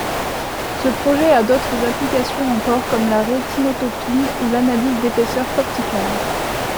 Ce projet a d'autres applications encore comme la rétinotopie ou l'analyse d'épaisseur corticale.